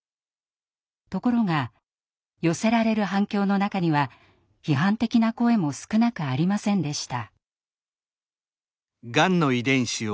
ところが寄せられる反響の中には批判的な声も少なくありませんでした。